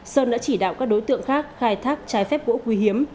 sơn đã chỉ đạo các đối tượng khác khai thác trái phép gỗ quý hiếm